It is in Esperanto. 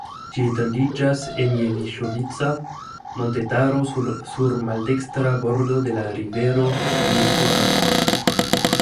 Ĝi etendiĝas en Jeviŝovica montetaro sur maldekstra bordo de rivero Jihlava.